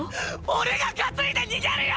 オレが担いで逃げるよ！